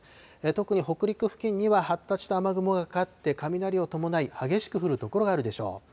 特に北陸付近には発達した雨雲がかかって、雷を伴い、激しく降る所があるでしょう。